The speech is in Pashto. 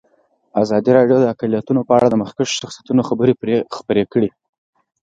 ازادي راډیو د اقلیتونه په اړه د مخکښو شخصیتونو خبرې خپرې کړي.